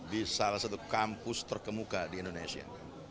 di salah satu kampus terkemuka di indonesia